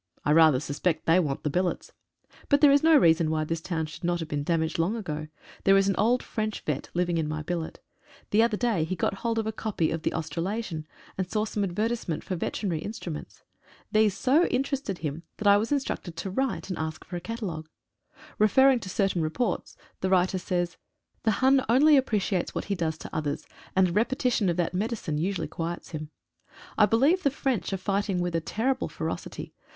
I rather suspect they want the billets! But there is no reason why this town should not have been damaged long ago. There is an old French vet. living in my billet. The other day he got hold of a copy of the "Australasian," and saw some advertisement for veterinary instruments. These so interested him that I 90 INTRIGUES AND SQUABBLES. was instructed to write and ask for a catalogue. Refer ing to certain reports, the writer says :— "The Hun only appreciates what he does to others — and a repetition of that medicine usually quiets him. I believe the French are fighting with a terrible ferocity.